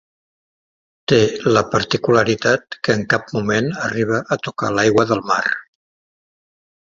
Té la particularitat què en cap moment arriba a tocar l'aigua del mar.